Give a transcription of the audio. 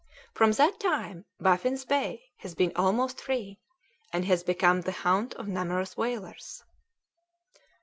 From that time Baffin's Bay has been almost free, and has become the haunt of numerous whalers."